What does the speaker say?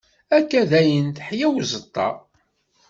Akka, dayen theyya i uẓeṭṭa.